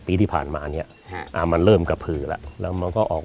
ปีที่ผ่านมาเนี่ยมันเริ่มกระผือแล้วแล้วมันก็ออก